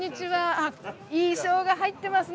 あっいいしょうが入ってますね。